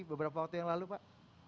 beberapa waktu yang lalu pak